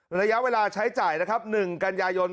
ระยะเวลาใช้จ่าย๑กันยายน